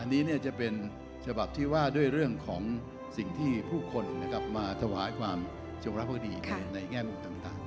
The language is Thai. อันนี้จะเป็นฉบับที่ว่าด้วยเรื่องของสิ่งที่ผู้คนมาถวายความจงรักภวดีในแง่มุมต่าง